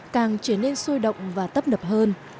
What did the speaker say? càng trở nên sôi động và tấp nập hơn